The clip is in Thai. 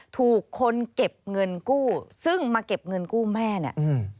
ถูกคนเก็บเงินกู้ซึ่งมาเก็บเงินกู้แม่เนี่ยอืม